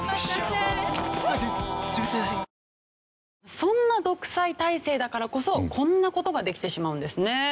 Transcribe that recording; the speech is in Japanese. そんな独裁体制だからこそこんな事ができてしまうんですね。